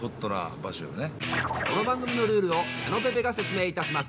この番組のルールを矢野ぺぺが説明いたします。